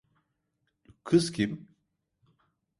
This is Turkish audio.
Kız kim?